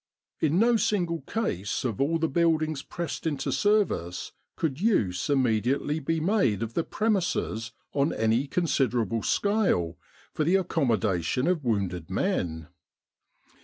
In no single case of all the buildings pressed into service could use im mediately be made of the premises on any consider able scale for the accommodation of wounded men.